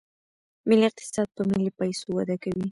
ملي اقتصاد په ملي پیسو وده کوي.